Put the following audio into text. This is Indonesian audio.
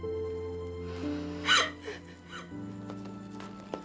dari sekarang kita bisa berdua